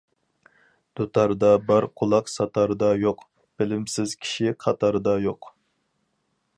دۇتاردا بار قۇلاق ساتاردا يوق، بىلىمسىز كىشى قاتاردا يوق.